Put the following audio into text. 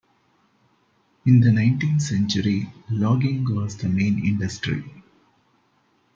In the nineteenth-century logging was the main industry.